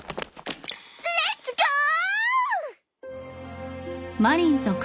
レッツゴー！